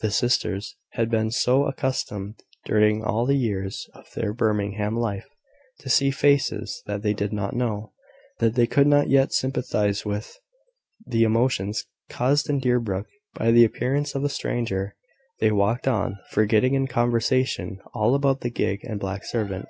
The sisters had been so accustomed, during all the years of their Birmingham life, to see faces that they did not know, that they could not yet sympathise with the emotions caused in Deerbrook by the appearance of a stranger. They walked on, forgetting in conversation all about the gig and black servant.